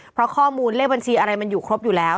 เพราะข้อมูลเลขบัญชีอะไรมันอยู่ครบอยู่แล้ว